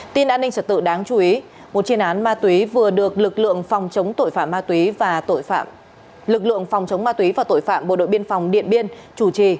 tin an ninh trật tự đáng chú ý một chiến án ma túy vừa được lực lượng phòng chống ma túy và tội phạm bộ đội biên phòng điện biên chủ trì